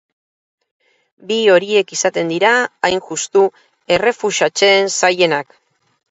Bi horiek izaten dira, hain justu, errefusatzen zailenak.